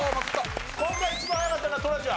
今回一番早かったのはトラちゃん。